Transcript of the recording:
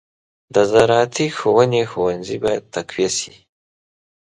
د زراعتي ښوونې ښوونځي باید تقویه شي.